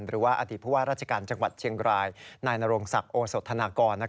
หรือว่าอดีตผู้ว่าราชการจังหวัดเชียงรายนายนโรงศักดิ์โอสธนากร